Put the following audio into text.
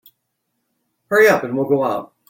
Hurry up and we'll go out.